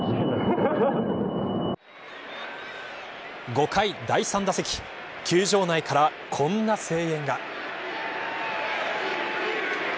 ５回、第３打席球場内からこんな声援が。